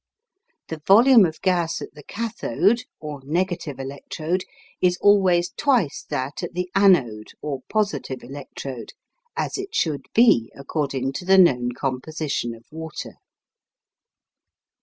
The volume of gas at the CATHODE or negative electrode is always twice that at the ANODE or positive electrode, as it should be according to the known composition of water.